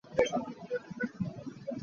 Nan kualtlawn cu zei can dah nan rauh lai?